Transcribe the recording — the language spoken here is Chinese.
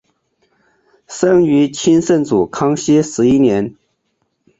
生于清圣祖康熙十一年。